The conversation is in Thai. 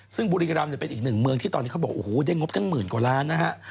ซึ่งบุรีรัมป์เป็นอีกหนึ่งเมืองที่เท่านี้เขาบอกโอ้โหเป็นเงินกว่าร้านครับ